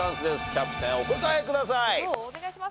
キャプテンお答えください。